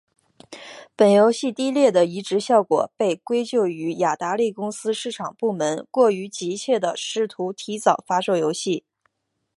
本游戏低劣的移植效果被归咎于雅达利公司市场部门过于急切地试图提早发售游戏。